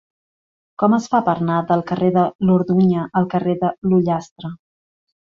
Com es fa per anar del carrer de l'Orduña al carrer de l'Ullastre?